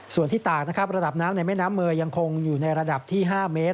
ส่วนที่ตากนะครับระดับน้ำในแม่น้ำเมย์ยังคงอยู่ในระดับที่๕เมตร